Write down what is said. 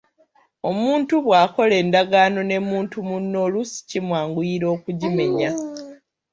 Omuntu bw’akola endagaano ne muntu munne oluusi kimwanguyira okugimenya.